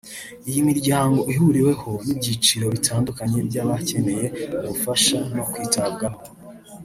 Iyi miryango ihuriwemo n’ibyiciro bitandukanye by’abakeneye ubufasha no kwitabwaho